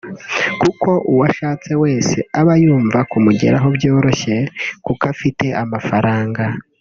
kuko uwo ashatse wese aba yumva kumugeraho byoroshye kuko afite amafaranga